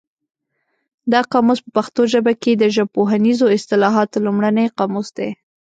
دا قاموس په پښتو ژبه کې د ژبپوهنیزو اصطلاحاتو لومړنی قاموس دی.